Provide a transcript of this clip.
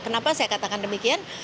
kenapa saya katakan demikian